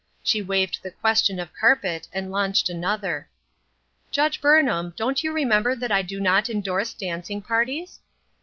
She waived the question of carpet and launched another. "Judge Burnham, don't you remember that I do not indorse dancing parties